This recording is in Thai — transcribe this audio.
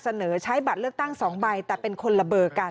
เสนอใช้บัตรเลือกตั้ง๒ใบแต่เป็นคนละเบอร์กัน